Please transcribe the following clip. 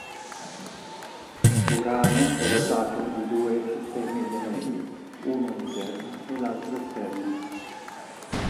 Urano è dotato di due sistemi di anelli, uno interno e l'altro esterno.